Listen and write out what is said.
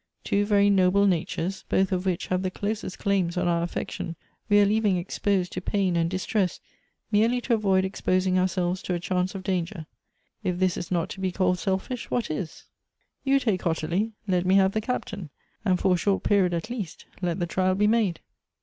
Two very noble natures, both of which have the closest claims on our affection, we are leaving exposed to pain and distress, merely to avoid exposing ourselves to a chance of danger. If this is not to be called selfish, what is ? You take Ottilie. Let me have the Captain ; and, for a short period, at least, let the trial be made."